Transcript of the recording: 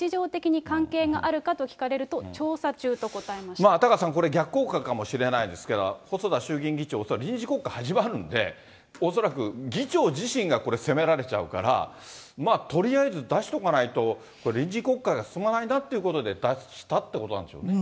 統一教会とは日常的に関係があるかと聞かれると、調査中と答えまタカさん、これ、逆効果かもしれないですけれども、細田衆議院議長、恐らく臨時国会始まるんで、恐らく議長自身が責められちゃうから、まあとりあえず出しとかないと、臨時国会が進まないなということで出したってことなんでしょうね。